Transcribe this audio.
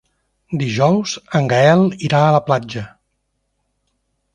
Dijous en Gaël irà a la platja.